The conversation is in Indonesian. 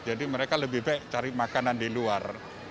jadi mereka lebih baik cari makanan di luar